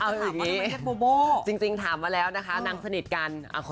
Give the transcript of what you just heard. กำลังจะถามโพนแจนถามถูกใจมาก